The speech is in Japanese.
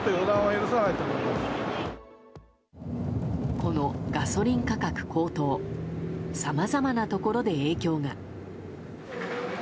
このガソリン価格高騰さまざまなところで影響が。